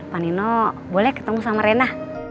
panino boleh ketemu sama rena